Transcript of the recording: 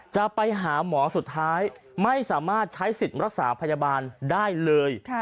จะไปหาหมอสุดท้ายไม่สามารถใช้สิทธิ์รักษาพยาบาลได้เลย